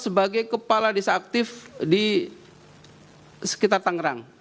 sebagai kepala desa aktif di sekitar tangerang